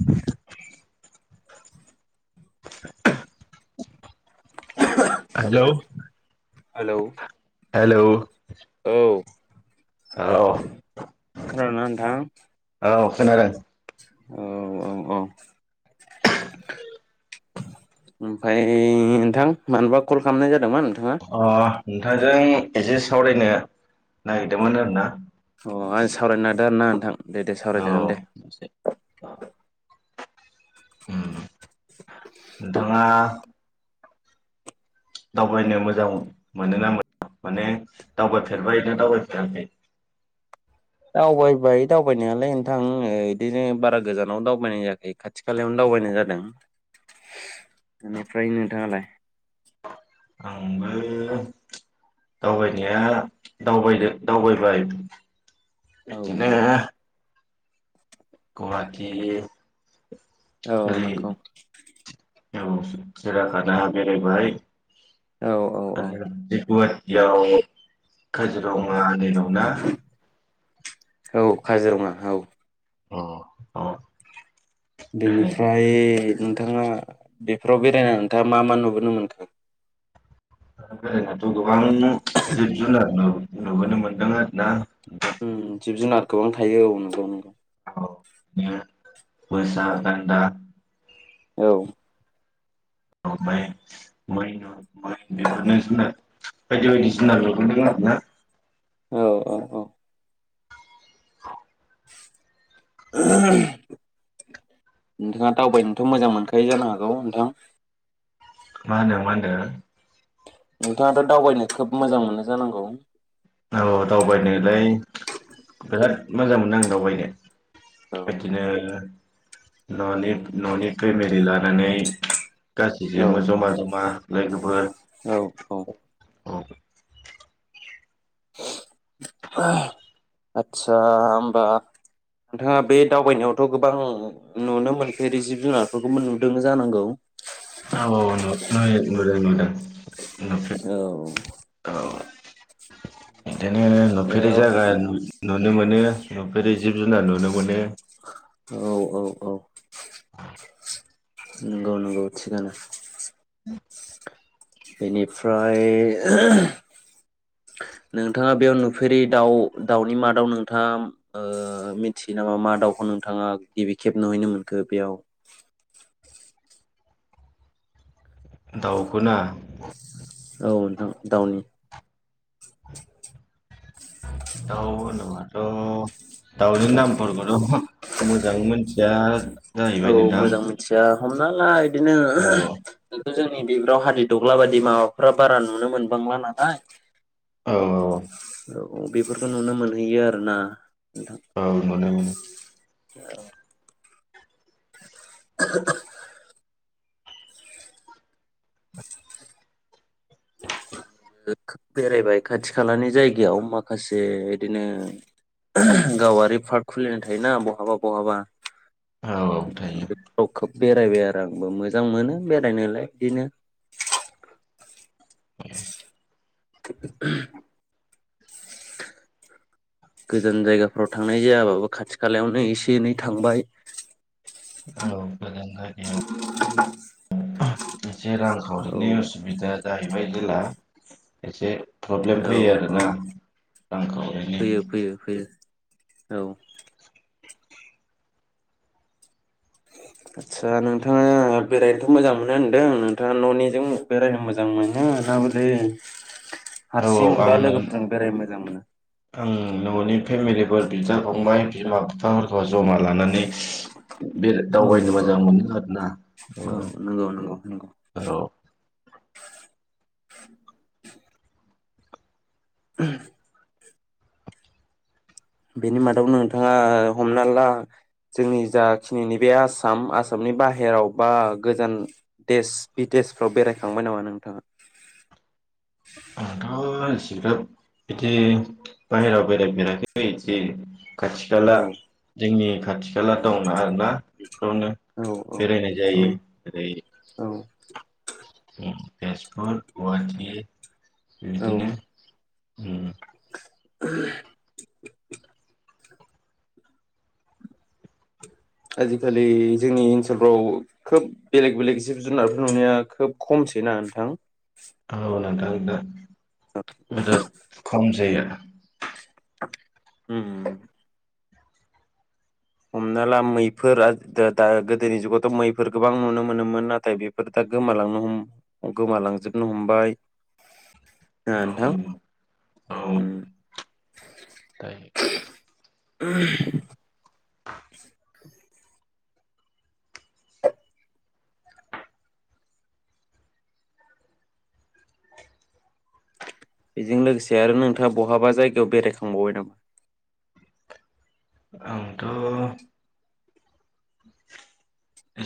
[inaudible] Hello hello hello औ खोनादोंना नोंथां औ खोनादों। औ औ औ [inaudible] ओमफ्राय नोंथां मानोबा कल खालामनाय जा अ नोंथां जों एसेे सावरायनो नागिरदोंमोन आरोना अ आंजों सावरायनो नागिरदों आरो ना नोंथां दे दे औ सावरायजागोन दे उम नोंथाङा दावबायनो मोजां मोनोना मोना माने दावबायफेरबाय ना दावबायफेराखै दावबाय दावबायनायालाय नोंथां ओ बिदिनो बारा गोजानाव दावबायनाय जायाखै खाथि खालायावनो दावबायनाय जादों बेनिफ्राय नोंथाङालाय आंबो दावबायनाया दावगो दावबायबाय औ बेदिनो औ गुवाटि औ नोंखौ औ सिराखाना बेरायबाय औ औ आ औ [unintelligible] ज औ [inaudible] [unintelligible] काजिरङाै दं नना [inaudible] [unintelligible] औ काजिरङा औ अ अ बेरायबाय बेनिफ्राय नोंथाङा बेफोराव बेरायनानै नोंथाङा मा मा नुबोनो मोनखो [unintelligible] गोबां जिब जुुनार नुबोनो मोनदों आरो ना ओम जिब जुनार गोबां थायो औ नंगौ मोसा गानदा औ [unintelligible] [unintelligible] बायदि बायदि जुनार नुबोदों आरो ना औ औ औ नोंथाङा दावबायनोथ मोजां मोनखायो जानो हागौ नोंथां मा होनो मा होनदों नोंथाङाथ दावबायनो खोब मोजां मोनो जानांगौ औ दावबायनोलाय बिराद मोजां मोनो आं दावबायनो औ बिदिनो ननि ननि फेमिली लानानै गासै जोंबो जमा जमा लोगोफोर औ औ औ [inaudible] [inaudible] आटस्सा होमबा नोंथाङा बे दावबायनायावथ' गोबां नुनो मोनफेरै जिब जुनारफोरखौबो नुदों जानांगौ औ औ नुनय नुदों नुदों [inaudible] नुफेर औ औ बिदिनो नुफेरै जायागा नुनो मोनो नुफेरै जिब जुनार नुनो मोनो औ औ औ [inaudible] नंगौ नंगौ थिगानो [inaudible] बेनिफ्राय नोंथाङा बेयाव नुफेरै दाउ दाउनि माादाव नोंथाङा ओ मिथियो नामा मा दाउखौ नोंथाङा गिबि खेब नुहैनो मोनखो बेयाव? दाउखोना औ नोंथां दाउनि दाव न आ थ' दाउनि नामफोरखौथ' मोजां मोनथिया औ जाहैबाय नोंथां मोजां मिथिया हम नालाय दिनो औ जोंनि बिफराव हादि दग्ला बायदि माबाफ्रा बारा नुनो मोनबांला नालाय औ औ औ बेफोरखौ नुनो मोनहैयो आरोना औ मोनो मोनो औ [inaudible] बेरायबाय खाथि खालानि जायगायाव माखासे बिदिनो गावारि पार्क खुलिनाय थायोना बहाबा बहाबा। औ औ थायो [unintelligible] अखोब बेरायबाय आरो आंबो मोजां मोनो बेरायनोलाय [unintelligible] दिनो [inaudible] गोजान जायगाफोराव थांनाय जायाबाबो खाथि खालायावनो एसे एनै थांबाय। औ गोजान जायगायाव एसे औ रांखावरिनि उसुबिदा जाहैबाय जेला एसे प्रब्लेम औ फैयो औ आरोना रां खावरिनि। फैयो फैयो फैयो औ आस्सा नोंथाङा बेरायनोथ' मोजां मोनो होनदों नोंथाङा न'निजों बेरायनो मोजां मोनो नाबलै औ औ हारसिं आं बा लोगोफोरजों बेरायनो मोजां मोनो। आं न'नि फेमिलिफोर बिदा फंबाय बिमा बिफाफोरखौ जमा लानानै बे औ दावबायनो औ मोजां मोनो आरोना औ नंगौ नंगौ नंगौ औ औ [inaudible] [inaudible] बेनि मादाव नोंथाङा हमना ला जोंनि जाखिनि नैबे आसाम आसामनि बाहेराव बा गोजान देश बिदेशफ्राव बेरायखांबाय नामा नोंथाङा? [unintelligible] [unintelligible] बिदि बाहेराव बेरायफेराखै इदि खाथि खाला औ जोंनि खाथि खाला दंना आरोना [unintelligible] नो औ बेरायनाय औ जायो ओरै औ तेजपुर, गुहाटी औ इदिनो उम [inaudible] आजिखालि जोंनि ओनसोलफ्राव खोब बेलेग बेलेग जिब जुनारफोर नुनाया खोब खमसैना नोंथां औ [unintelligible] बेराद खमसै आरो उम उम उम हमना ला मैफोरा दा दा गोदोनि जुगावथ मैफोर गोबां नुनो मोनोमोन नाथाय बेफोर दा गोमालांनो हम गोमालांजोबनो हमबाय ना नोंथां उम, [inaudible] [inaudible] [unintelligible] बेजों लोगोसे आरो नोंथाङा बहाबा जायगायाव बेरायखांबावबाय नामा आंथ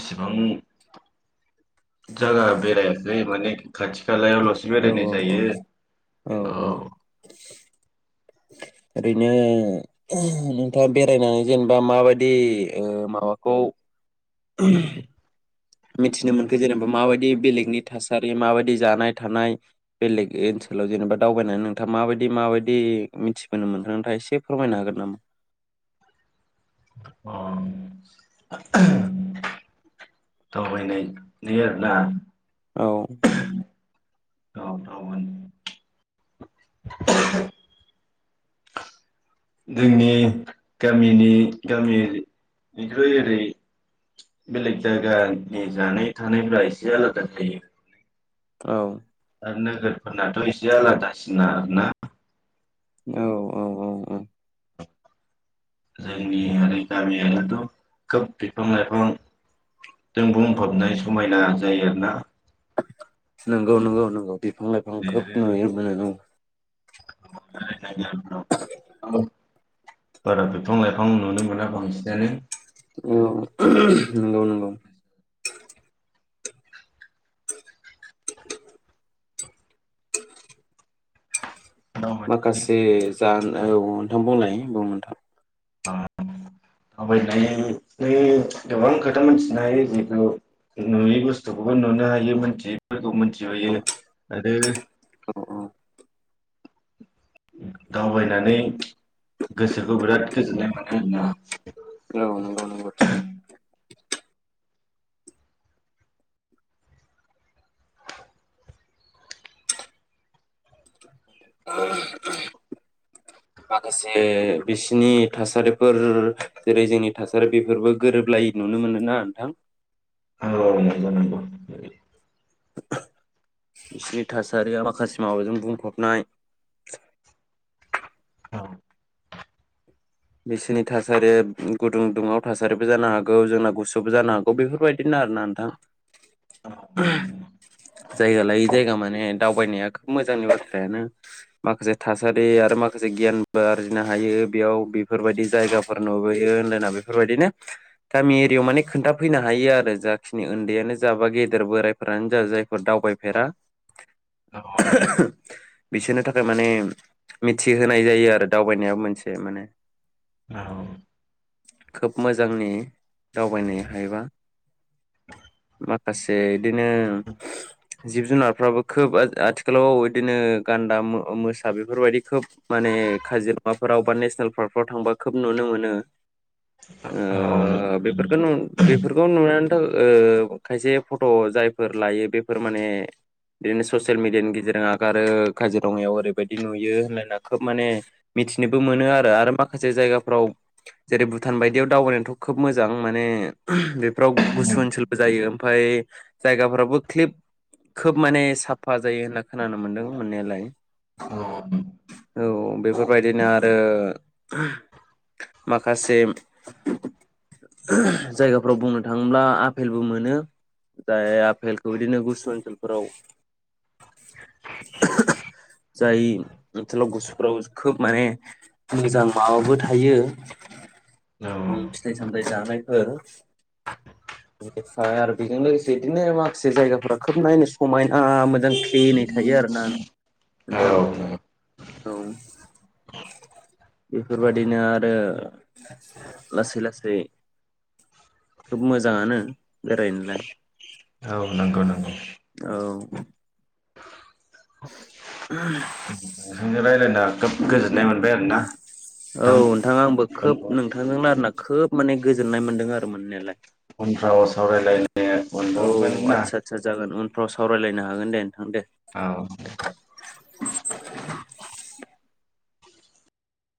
एसेबां जायगा बेरायाखै माने खाथि खालायावलस औ बेरायनाय जायो औ औ ओरैनो नोंथाङा बेरायनानै जेनेबा माबायदि ओ माबाखौ [unintelligible] मिथिनो मोनखो जेनेबा माबायदि बेलेगनि थासारि माबायदि जानाय थानाय बेलेग ओनसोलाव जेनेबा दावबायनानै नोंथाङा माबायदि माबायदि मिथिबोनो मोनखो नोंथाङा एसे फोरमायनो हागोन नामा [unintelligible] दावबायनाय नै आरोना औ [inaudible] जोंनि गामिनि गामिनिख्रुइ ओरै बेलेग जायगानि जानाय थानायफ्रा एसे आलादा जायो औ आरो नोगोरफोरनाथ एसे आलादासिन ना आरो ना औ औ औ औ जोंनि ओरै गामियारियाथ खोब बिफां लाइफां जों बुंफबनाय समायना जायो आरोना नंगौ नंगौ नंगौ बिफां लाइफां ओरै खोब आरो नुयो बे नंगौ [unintelligible] बारा बिफां लाइफां नुनो मोना बांसिनानो अ नंगौ नंगौ दावबायनायनि माखासे जान औ नोंथां बुंलाय बुं नोंथां आं थाबाय थायो बे गोबां खोथा मोनथिनो हायो जिथु नुयै बुस्थुखौबो नुनो हायो मिथियैफोरखौ औ मोनथिनोहायो आरो औ दावबायनानै गोसोखौ बिराद गोजोननाय मोनो आरोना औ औ नंगौ नंगौ थिगानो [unintelligible] माखासे बिसिनि थासारिफोर जेरै जोंनि थासारि बेफोरबो गोरोबलायै नुनो मोनोना नोंथां औ ओ नंगौ नंगौ बिसिनि थासारिया माखासे माबाजों बुंफबनाय औ बिसोरनि थासारिया गुदुं दुंङाव थासारिबो जानो हागौ जोंना गुसुबो जानो हागौ बेफोरबायदिनो आरोना नोंथां जायगा लायै जायगा माने दावबायनाया खोब मोजांनि बाथ्रायानो माखासे थासारि आरो माखासे गियानबो आरजिनो हायो बेयाव बि बेफोरबायदि जायगाफोर नुबोयो होनदो ना बेफोरबायदिनो गामि एरिायाव माने खोन्थाफैनो हायो आरो जाखिनि उन्दैयानो जा बा गेदेर बोराइफोरानो जा जायफोर दावबायफेरा औ बिसोरनि थाखाय माने मिथिहोनाय जायो आरो दावबायनायाबो मोनसे माने औ खोब मोजांनि दावबायनो हायोबा माखासे इदिनो जिब जुनारफ्राबो खोब आ आथिखालाव बिदिनो गान्दा मो मोसा बेफोरबायदि खोब माने काजिरङा फोराव बा नेसनेल पार्क फोर थांबा खोब नुनो मोनो ओ बेफोरखोनो बेफोरखौ नुनानै खो ओ खायसे फट' जायफोर लायो बेफोर माने बिदिनो ससियेल मिडियानि गेजेरजों आगारो काजिरङायाव ओरैबायदि नुयो होनना खोब माने मिथिनोबो मोनो आरो माख माखासे जायगाफ्राव जेरै भुटान बायदियाव दावबायनायाथ' खोब मोजां माने बेफोराव गुसु ओनसोलबो जायो ओमफ्राय जायगाफ्रावो क्लिब खोब माने साफा जायो होनना खोनानो मोनदों मोननायालाय औ बेफोरबायदिनो आरो। माखासे जायगाफोराव बुंनो थाङोब्ला आपेलबो मोनो जाय आफेलखौ बिदिनो गुसु ओनसोलफोराव जाय ओनसोलाव गुसुफोराव खोब माने मोजां माबाबो थायो ओम फिथाइ साम थाय जानायफोर निफ्राय आरो बेजों लोगोसे बिदिनो माखासे जायगाफोरा खोब नायनो समायना मोजां खिलिनै थायो आरो ना औ नोंथां। औ बेफोरबायादिनो आरो लासै लासै खोब मोजाङानो बेरायनोलाय औ नंगौ नंगौ औ [unintelligible] नोंजों रायज्लायना खोब गोजोननाय मोनबाय आरोना औ नोंथाङा आंबो खोब नोंथां नोंथांजोंनो आरोना खोब माने गोजोन्नाय मोन्दों आरो मोननायालाय उनफ्राव सावरायलायनो मोनबावगोन ना फ्राव सावरायलायनो हागोन दे नोंथां दे औ